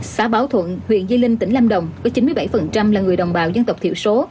xã báo thuận huyện di linh tỉnh lâm đồng với chín mươi bảy là người đồng bào dân tộc thiểu số